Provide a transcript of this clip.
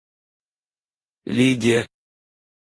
Лидия